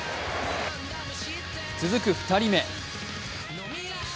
続く２人目。